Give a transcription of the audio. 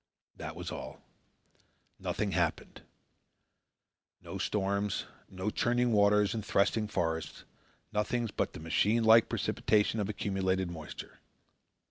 That was all. Nothing happened. No storms, no churning waters and threshing forests, nothing but the machine like precipitation of accumulated moisture.